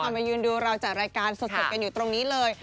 มายืนดูเราจัดรายการสดกันอยู่ตรงนี้เลย